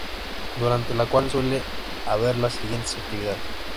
Durante la cual suele haber las siguientes actividades.